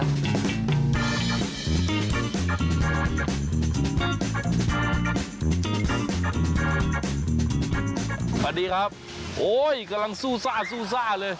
สวัสดีครับโอ้ยกำลังสู้ซ่าเลย